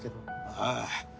ああ。